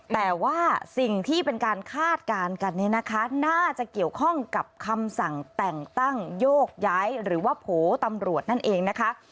แต่ว่าสิ่งที่เป็นการคาดการณ์กันเนี่ยนะคะน่าจะเกี่ยวข้องกับคำสั่งแต่งตั้งโยกย้ายหรือว่าโผล่ตำรวจนั่นเองนะคะ